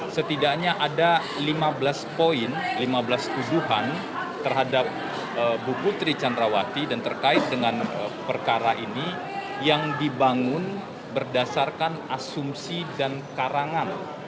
setidaknya ada lima belas poin lima belas tuduhan terhadap bu putri candrawati dan terkait dengan perkara ini yang dibangun berdasarkan asumsi dan karangan